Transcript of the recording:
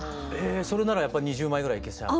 それならやっぱ２０枚ぐらいいけちゃう？